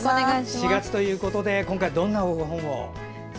４月ということで今回どんなご本を？